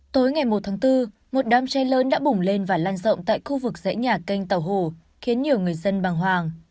tối ngày một tháng bốn một đám trái lớn đã bùng lên và lan rộng tại khu vực dãy nhà kênh tàu hồ khiến nhiều người dân băng hoàng